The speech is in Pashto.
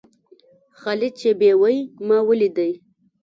خالد چې بېوى؛ ما وليدئ.